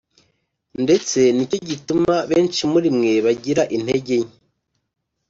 Ndetse nicyo gituma benshi muri mwe bagira intege nke,